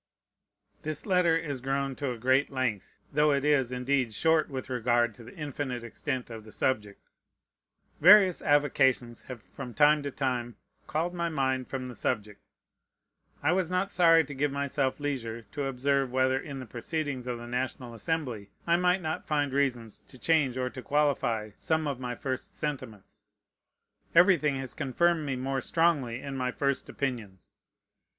This letter is grown to a great length, though it is, indeed, short with regard to the infinite extent of the subject. Various avocations have from time to time called my mind from the subject. I was not sorry to give myself leisure to observe whether in the proceedings of the National Assembly I might not find reasons to change or to qualify some of my first sentiments. Everything has confirmed me more strongly in my first opinions.